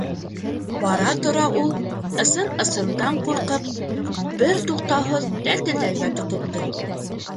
Бара-тора ул, ысын-ысындан ҡурҡып, бер туҡтауһыҙ тәтелдәргә тотондо: